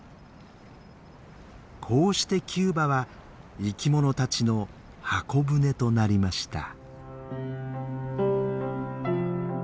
こうしてキューバは生き物たちの箱舟となりました。